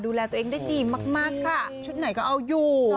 ดูแลตัวเองได้ดีมากค่ะชุดไหนก็เอาอยู่